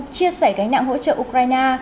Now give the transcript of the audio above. chia sẻ gánh nặng hỗ trợ ukraine